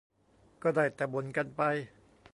ก็ได้แต่บ่นกันไป